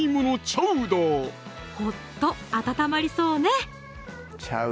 ほっと温まりそうね